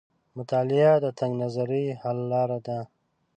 مطالعه د تنګ نظرۍ حل لار ده.